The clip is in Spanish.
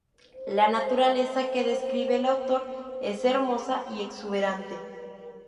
La naturaleza que describe el autor es hermosa y exuberante.